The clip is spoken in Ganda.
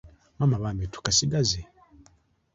Maama bambi, tukasigaze?